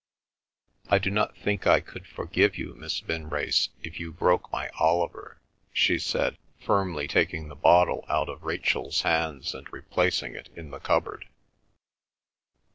... I do not think I could forgive you, Miss Vinrace, if you broke my Oliver," she said, firmly taking the bottle out of Rachel's hands and replacing it in the cupboard.